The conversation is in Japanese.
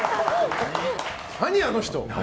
何あの人。